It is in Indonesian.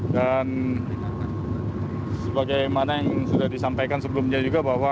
dan sebagaimana yang sudah disampaikan sebelumnya juga bahwa